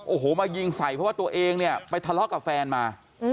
โอ้โหมายิงใส่เพราะว่าตัวเองเนี่ยไปทะเลาะกับแฟนมา